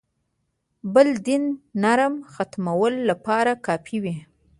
بل دین برم ختمولو لپاره کافي وي.